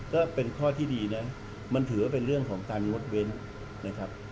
ก็เป็นข้อที่ดีนะมันถือว่าเป็นเรื่องของการงดเว้นนะครับ